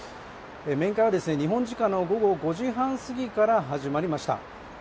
面会は日本時間の午後５時半過ぎから始まりました。